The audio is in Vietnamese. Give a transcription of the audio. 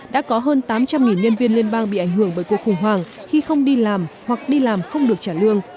đã có hơn tám trăm linh nhân viên liên bang bị ảnh hưởng bởi cuộc khủng hoảng khi không đi làm hoặc đi làm không được trả lương